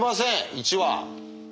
１は。